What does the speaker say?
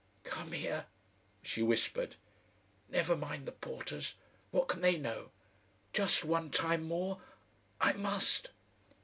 "Come here," she whispered. "Never mind the porters. What can they know? Just one time more I must."